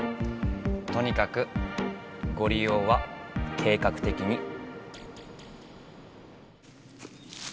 とにかくご利用は計画的に。